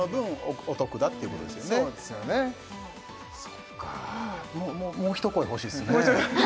そっかもう一声欲しいですね